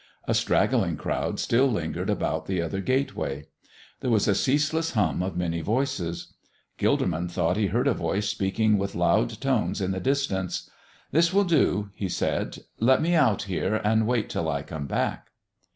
A straggling crowd still lingered about the other gateway. There was a ceaseless hum of many voices. Gilderman thought he heard a voice speaking with loud tones in the distance. "This will do," he said. "Let me out here, and wait till I come back."